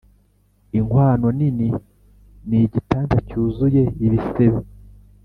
inkwano nini nigitanda cyuzuye ibisebe.